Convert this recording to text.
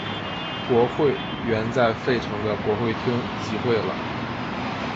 国会原在费城的国会厅集会了。